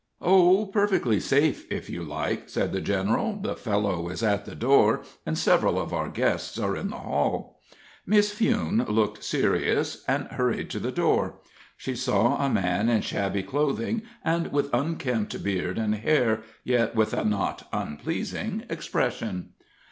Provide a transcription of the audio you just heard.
"Oh, perfectly safe, if you like," said the general. "The fellow is at the door, and several of our guests are in the hall." Miss Fewne looked serious, and hurried to the door. She saw a man in shabby clothing and with unkempt beard and hair, yet with a not unpleasing expression.